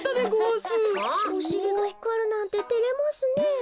おしりがひかるなんててれますねえ。